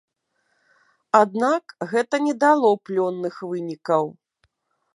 Аднак гэта не дало плённых вынікаў.